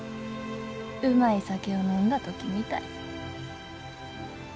うまい酒を飲んだ時みたい。